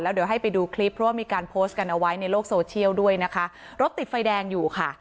เดี๋ยวให้ไปดูคลิปเพราะว่ามีการโพสต์กันเอาไว้ในโลกโซเชียลด้วยนะคะ